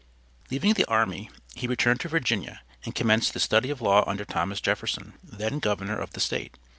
Leaving the army, he returned to Virginia and commenced the study of law under Thomas Jefferson, then Governor of the State.